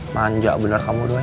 manja bener kamu doi